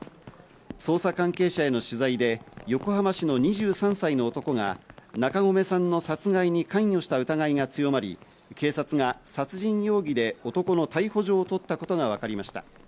捜査関係者への取材で、横浜市の２３歳の男が中込さんの殺害に関与した疑いが強まり、警察が殺人容疑で男の逮捕状を取ったことが分かりました。